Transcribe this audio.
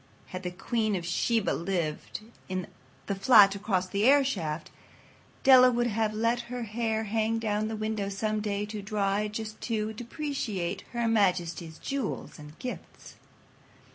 Had the queen of Sheba lived in the flat across the airshaft, Della would have let her hair hang out the window some day to dry just to depreciate Her Majesty's jewels and gifts.